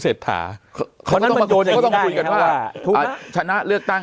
เสร็จถาคนนั้นมันโยนอย่างนี้ก็ต้องคุยกันว่าชนะเลือกตั้ง